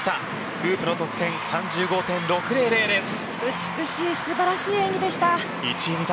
フープの得点３５．６００です。